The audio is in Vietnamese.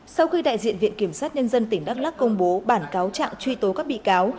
sau khi đại diện viện kiểm sát nhân dân tỉnh đắk lắc công bố bản cáo trạng truy tố các bị cáo